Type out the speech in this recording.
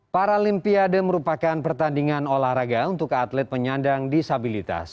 paralimpiade merupakan pertandingan olahraga untuk atlet penyandang disabilitas